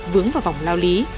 vướng vào vòng lao lý